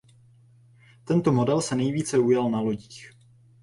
Tento model se nejvíce ujal na lodích.